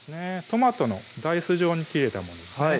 トマトのダイス状に切れたものですね